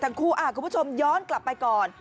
ทั้งคู่อะคุณผู้ชมย้อนกลับไปก่อน